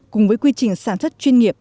cùng với quy trình sản xuất chuyên nghiệp